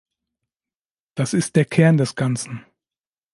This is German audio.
Das ist der Kern des Ganzen.